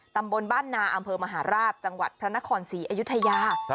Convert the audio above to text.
ตำบลบ้านนาอำเภอมหาราชจังหวัดพระนครศรีอยุธยา